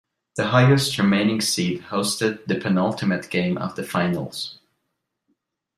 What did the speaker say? The highest remaining seed hosted the penultimate game of the Finals.